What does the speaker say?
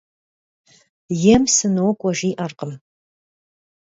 Ем «сынокӀуэ» жиӀэркъым.